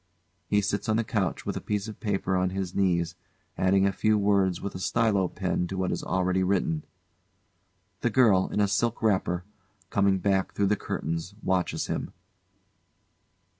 [He sits on the couch with a piece of paper on his knees, adding a few words with a stylo pen to what is already written.] [The GIRL, in a silk wrapper, coming back through the curtains, watches him.